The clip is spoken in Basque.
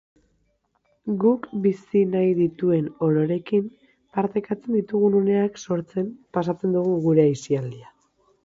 Guk bizi nahi dituen ororekin partekatzen ditugun uneak sortzen pasatzen dugu gure aisialdia.